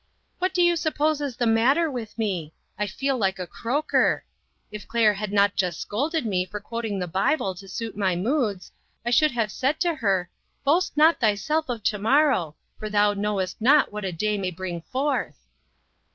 What do you suppose is the mat ter with me? I feel like a croaker. If Claire had not just scolded me for quoting the Bible to suit my moods, I should have said to her, ' Boast not thyself of to morrow, for thou knowest not what a day may bring forth.'"